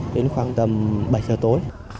đến khoảng tầm bảy giờ tối